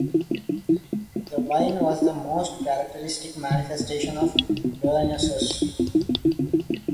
The vine was the most characteristic manifestation of Dionysus.